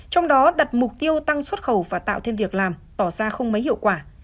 trong đó đặt mục tiêu tăng xuất khẩu và tạo thêm việc làm tỏ ra không mấy hiệu quả